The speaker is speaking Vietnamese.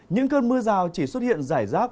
những cơn mưa rào chỉ xuất hiện giải rác